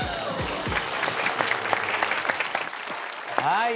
はい。